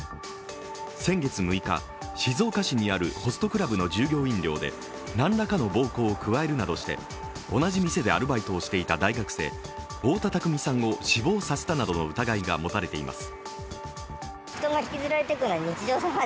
先月６日、静岡市にあるホストクラブの従業員寮で何らかの暴行を加えるなどして同じ店でアルバイトをしていた大学生、太田琢巳さんを死亡させたなどの疑いが持たれています。